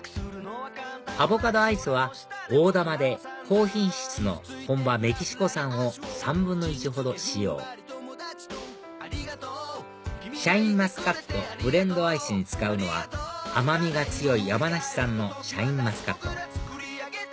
アボカドアイスは大玉で高品質の本場メキシコ産を３分の１ほど使用シャインマスカットブレンドアイスに使うのは甘みが強い山梨産のシャインマスカット